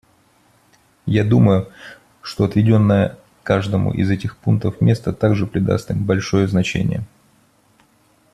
Я думаю, что отведенное каждому из этих пунктов место также придаст им большое значение.